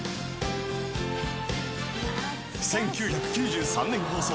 ［１９９３年放送］